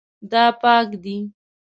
دا پاک دی